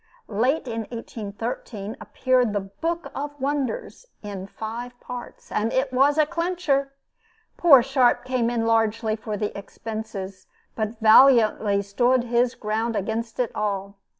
Late in 1813, appeared the "Book of Wonders," "in five parts," and it was a clincher. Poor Sharp came in largely for the expenses, but valiantly stood his ground against it all.